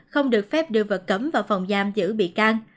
không được phép đưa vật cấm vào phòng giam giữ bị can